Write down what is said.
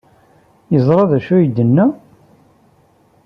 Yeẓra d acu ay d-tenna?